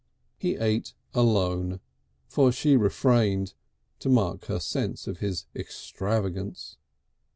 He ate alone, for she refrained, to mark her sense of his extravagance.